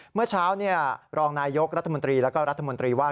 เมื่อเช้ารองนายกรัฐมนตรีแล้วก็รัฐมนตรีว่า